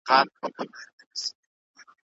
د رئیس پرېکړي څنګه تطبیقیږي؟